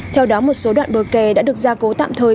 theo đó một số đoạn bờ kè đã được gia cố tạm thời